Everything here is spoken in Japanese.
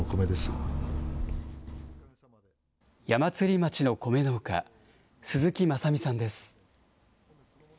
矢祭町の米農家、鈴木正美さんです。